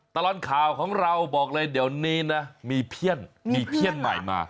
ตลอดข่าวของเราบอกเลยเดี๋ยวนี้นะมีเพี้ยนมีเพี้ยนใหม่มา